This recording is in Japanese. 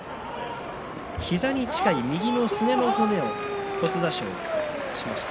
膝に近い右のすねの骨を骨挫傷しました。